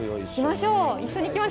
行きましょうよ一緒に。